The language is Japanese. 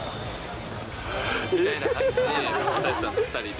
えっ！みたいな感じで、大勢さんと２人で。